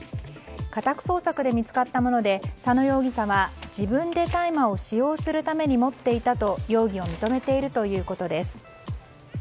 家宅捜索で見つかったもので佐野容疑者は、自分で大麻を使用するために持っていたと容疑を認めているということです。